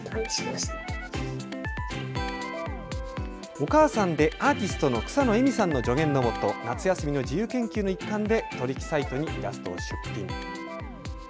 お母さんでアーティストの草野絵美さんの助言の下、夏休みの自由研究の一環で、取り引きサイトにイラストを出品。